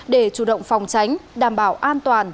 để chủ động phòng tránh đảm bảo an toàn